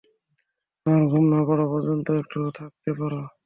আমার ঘুম না পড়া পর্যন্ত একটু থাকতে পারো।